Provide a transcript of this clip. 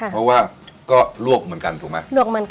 เพราะว่าก็ลวกเหมือนกันถูกไหม